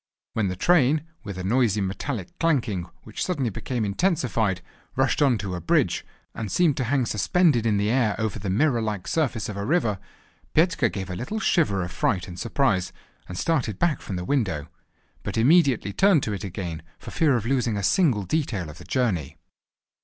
When the train, with a noisy metallic clanking, which suddenly became intensified, rushed on to a bridge, and seemed to hang suspended in the air over the mirror like surface of a river, Petka gave a little shiver of fright and surprise, and started back from the window; but immediately turned to it again, for fear of losing a single detail of the journey.